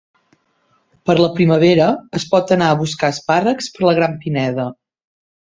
Per la primavera es pot anar a buscar espàrrecs per la gran pineda.